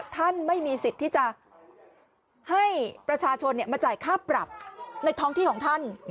ท่านไม่มีสิทธิ์ที่จะให้ประชาชนมาจ่ายค่าปรับในท้องที่ของท่าน